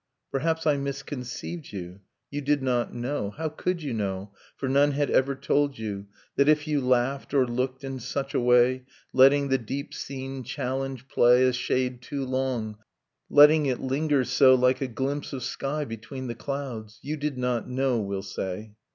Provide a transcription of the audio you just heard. Perhaps I misconceived you. You did not know — How could you know? for none had ever told you — That if you laughed or looked in such a way, Letting the deep seen challenge play A shade too long, — letting it linger so Like a glimpse of sky between the clouds, — You did not know, we'll say.